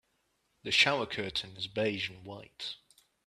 The shower curtain is beige and white.